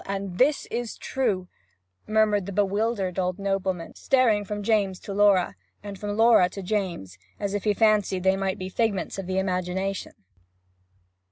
And is this true?' murmured the bewildered old nobleman, staring from James to Laura, and from Laura to James, as if he fancied they might be figments of the imagination.